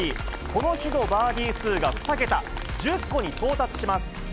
この日のバーディー数が２桁、１０個に到達します。